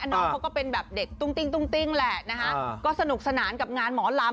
น้องเขาก็เป็นแบบเด็กตุ้งติ้งตุ้งติ้งแหละนะคะก็สนุกสนานกับงานหมอลำ